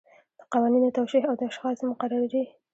د قوانینو توشیح او د اشخاصو مقرري.